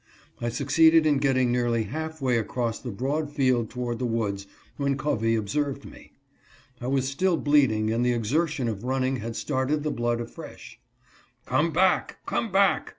I succeeded in getting nearly half way across the broad field toward the woods, when Covey observed me. I was still bleeding and the exertion of running had started the blood afresh. " Come hack ! Come hack !